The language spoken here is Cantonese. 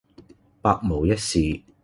百無一是